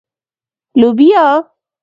🫘 لبیا